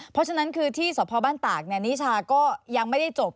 เพราะฉะนั้นคือที่สพบ้านตากนิชาก็ยังไม่ได้จบ